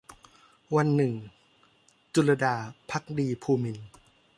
วันหนึ่ง - จุลลดา ภักดีภูมินทร์